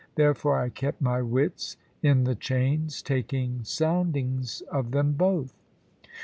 Therefore I kept my wits in the chains, taking soundings of them both.